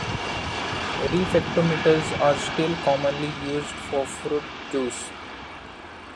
Refractometers are still commonly used for fruit juice.